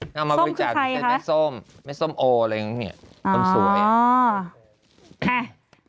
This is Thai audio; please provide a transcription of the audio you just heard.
น้องก็มาบริจาคพิเศษแม่ส้มแม่ส้มโออะไรอย่างนี้เนี่ยส้มสวยค่ะส้มคือใคร